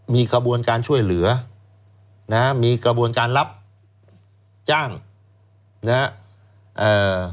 มีขบวนการช่วยเหลือนะฮะมีกระบวนการรับจ้างนะฮะเอ่อ